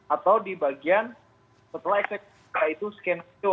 atau di bagian setelah eksekusi yaitu skenario